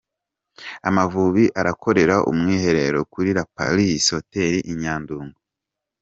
Amavubi arakorera umwiherero kuri La Palisse Hotel i Nyandungu.